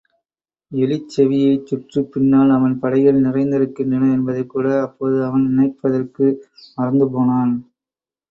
எலிச்செவியைச் சுற்றிப் பின்னால் அவன் படைகள் நிறைந்திருக்கின்றன என்பதைக் கூட அப்போது அவன் நினைப்பதற்கு மறந்து போனான்.